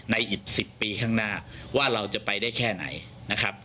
ในอีก๑๐ปีข้างหน้าว่าเราจะไปได้แค่ไหน